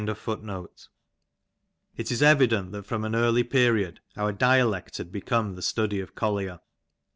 " It is evident that from an early period our dialect had become the study of Collier.